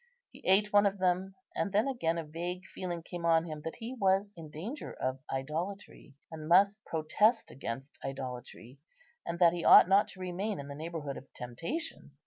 He ate one of them, and then again a vague feeling came on him that he was in danger of idolatry, and must protest against idolatry, and that he ought not to remain in the neighbourhood of temptation.